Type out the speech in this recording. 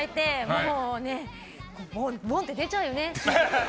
もうねボンって出ちゃうよね。